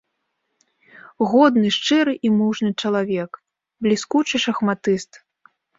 Годны, шчыры і мужны чалавек, бліскучы шахматыст.